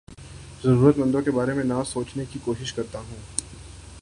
ضرورت مندوں کے بارے میں نہ سوچنے کی کوشش کرتا ہوں